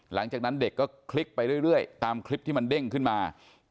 หลังจากนั้นเด็กก็คลิกไปเรื่อยตามคลิปที่มันเด้งขึ้นมา